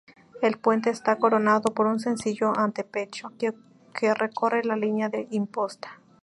El puente está coronado por un sencillo antepecho, que recorre la línea de imposta.